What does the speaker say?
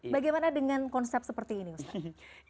bagaimana dengan konsep seperti ini ustadz